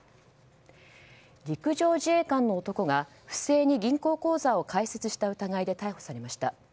陸上自衛官の男が不正に銀行口座を開設した疑いで逮捕されました。